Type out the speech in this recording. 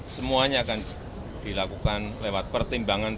semuanya akan dilakukan lewat pertimbangan